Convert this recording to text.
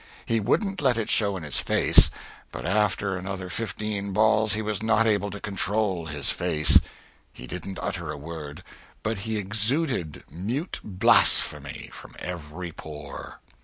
He wouldn't let it show in his face; but after another fifteen balls he was not able to control his face; he didn't utter a word, but he exuded mute blasphemy from every pore.